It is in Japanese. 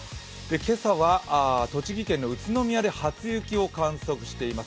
今朝は栃木県の宇都宮で初雪を観測しています。